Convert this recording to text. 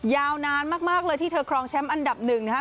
ยาวนานมากเลยที่เธอครองแชมป์อันดับ๑นะคะ